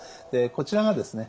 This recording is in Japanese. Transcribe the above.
こちらがですね